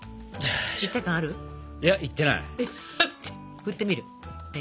ふってみる？